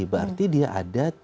berarti dia ada teman teman